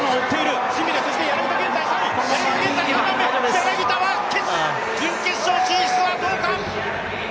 柳田は準決勝進出はどうか？